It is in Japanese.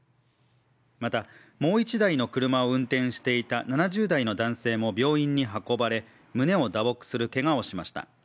またもう一台の車を運転していた７０代の男性も病院に運ばれ、胸を打撲するけがをしました。